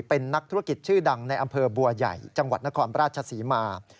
เป็นนักธุรกิจชื่อดังในอำเภอบัวใหญ่จังหวัดนครราชศรีมา